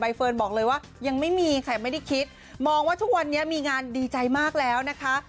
เฟิร์นบอกเลยว่ายังไม่มีค่ะไม่ได้คิดมองว่าทุกวันนี้มีงานดีใจมากแล้วนะคะ